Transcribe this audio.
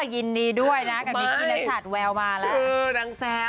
ยินดีด้วยนะกับมิกกี้นัชัดแววมาแล้ว